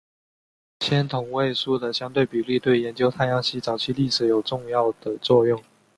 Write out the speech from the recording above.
氙同位素的相对比例对研究太阳系早期历史有重要的作用。